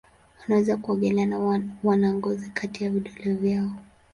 Wanaweza kuogelea na wana ngozi kati ya vidole vyao.